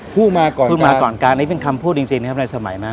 พูดมาก่อนพูดมาก่อนการนี้เป็นคำพูดจริงนะครับในสมัยนั้น